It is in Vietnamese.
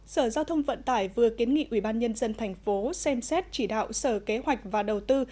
sở giao thông vận tải vừa kiến nghị ubnd tp xem xét chỉ đạo sở kế hoạch và đầu tư